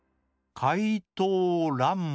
「かいとうらんま」。